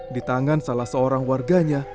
di tangan salah seorang warganya